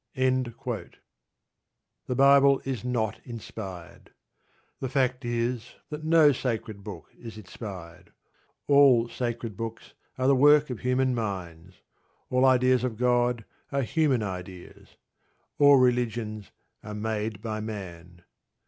_ The Bible is not inspired. The fact is that no "sacred" book is inspired. All "sacred" books are the work of human minds. All ideas of God are human ideas. All religions are made by man.